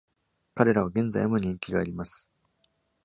彼らは現在も人気があります。